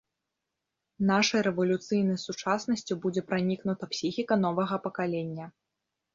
Нашай рэвалюцыйнай сучаснасцю будзе пранікнута псіхіка новага пакалення.